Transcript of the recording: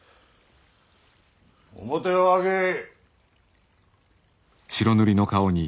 面を上げい。